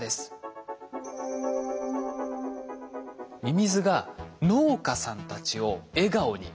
ミミズが農家さんたちを笑顔に。